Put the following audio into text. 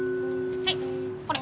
はいこれ。